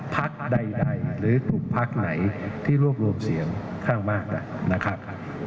ภักด์ใดหรือทุกภักด์ไหนที่รวบรวมเสียงข้างมากนะครับ